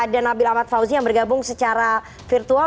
dan nabil ahmad fauzi yang bergabung secara virtual